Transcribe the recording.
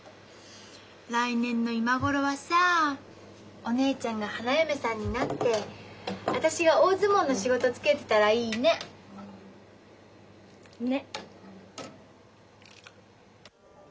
来年の今ごろはさお姉ちゃんが花嫁さんになって私が大相撲の仕事就けてたらいいね。ね。